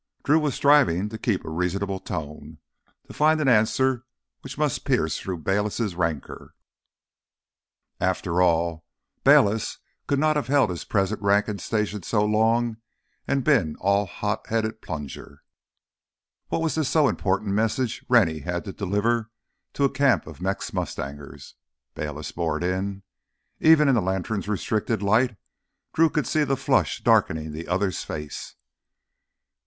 Drew was striving to keep a reasonable tone, to find an answer which must pierce through Bayliss' rancor. After all, Bayliss could not have held his present rank and station so long and been all hot headed plunger. "What was this so important message Rennie had to have delivered to a camp of Mex mustangers?" Bayliss bored in. Even in the lantern's restricted light Drew could see the flush darkening the other's face.